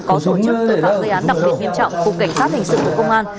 có tổ chức tội phạm gây án đặc biệt nghiêm trọng của cảnh sát hình sự của công an